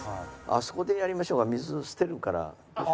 あそこでやりましょうか水捨てるから。